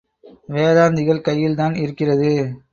வேதாந்திகள் கையில்தான் இருக்கிறது.